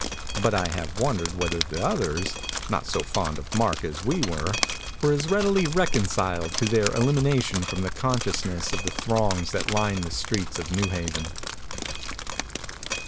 But I have wondered whether the others, not so fond of Mark as we were, were as readily reconciled to their elimi nation from the consciousness of the throngs that lined the streets of New Haven.